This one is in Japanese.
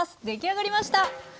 出来上がりました！